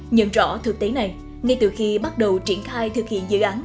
nhận rõ thực tế này ngay từ khi bắt đầu triển khai thực hiện dự án